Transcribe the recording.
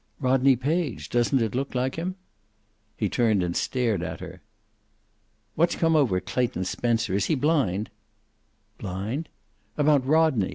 "Rodney Page. Doesn't it look like him?" He turned and stared at her. "What's come over Clayton Spencer? Is he blind?" "Blind?" "About Rodney.